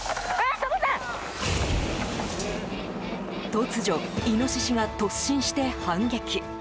突如イノシシが突進して反撃。